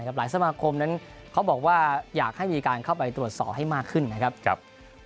หลายสมาคมนั้นเขาบอกว่าอยากให้มีการเข้าไปตรวจสอบให้มากขึ้นนะครับ